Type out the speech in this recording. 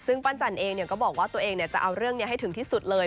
ซึ่งปั้นจันเองก็บอกว่าตัวเองจะเอาเรื่องนี้ให้ถึงที่สุดเลย